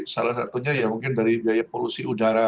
salah satunya ya mungkin dari biaya polusi udara